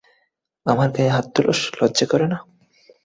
আমার গায়ে হাত তুলস, লজ্জা করে না?